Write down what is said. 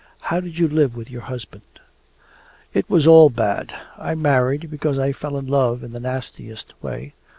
How did you live with your husband?' 'It was all bad. I married because I fell in love in the nastiest way.